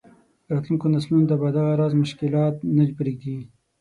راتلونکو نسلونو ته به دغه راز مشکلات نه پرېږدي.